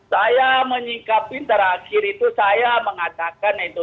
saya menyikapi terakhir itu saya mengatakan itu